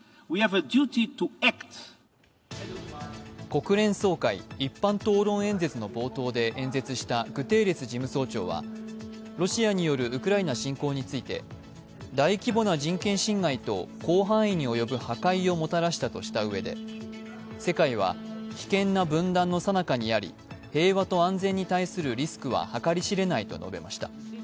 国連総会・一般討論演説の冒頭で演説したグテーレス事務総長はロシアによるウクライナ侵攻について、大規模な人権侵害と広範囲に及ぶ破壊をもたらしたとしたうえで、世界は危険な分断のさなかにあり平和と安全に対するリスクは計り知れないと述べました。